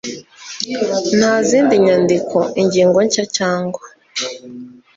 nta zindi nyandiko ingingo nshya cyangwa